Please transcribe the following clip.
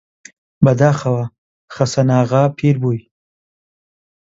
بەداخەوە خەسەناغا پیر بووی!